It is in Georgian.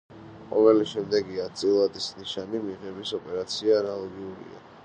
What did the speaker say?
ყოველი შემდეგი ათწილადის ნიშნის მიღების ოპერაცია ანალოგიურია.